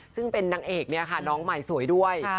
ซึ่งเป็นนางเอกเนี่ยค่ะน้องใหม่สวยด้วย